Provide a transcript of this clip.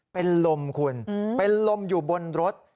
เป็นลมคุณเป็นลมอยู่บนรถ